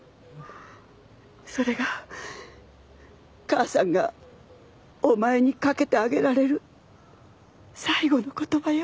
それが母さんがお前に掛けてあげられる最後の言葉よ。